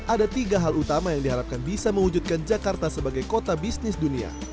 ada tiga hal utama yang diharapkan bisa mewujudkan jakarta sebagai kota bisnis dunia